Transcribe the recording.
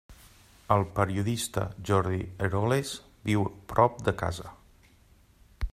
El periodista Jordi Eroles viu prop de casa.